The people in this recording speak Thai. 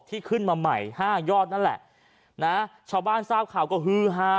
ขึ้นมาใหม่ห้ายอดนั่นแหละนะชาวบ้านทราบข่าวก็ฮือฮา